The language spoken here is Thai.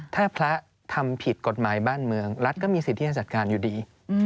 ถ้าพระทำผิดกฎหมายบ้านเมืองรัฐก็มีสิทธิ์ที่จะจัดการอยู่ดี